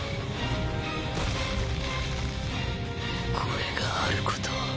これがあることを。